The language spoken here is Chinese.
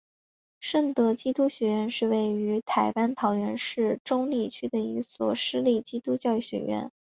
圣德基督学院是位于台湾桃园市中坜区的一所私立基督教学院。